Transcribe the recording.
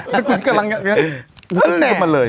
มันกำลังจะขึ้นมาเลย